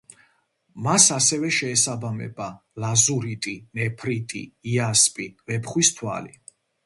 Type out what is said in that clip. მას ასევე შეესაბამება: ლაზურიტი, ნეფრიტი, იასპი, ვეფხვის თვალი.